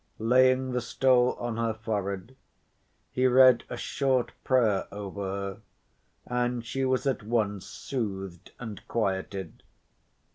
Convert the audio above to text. Laying the stole on her forehead, he read a short prayer over her, and she was at once soothed and quieted.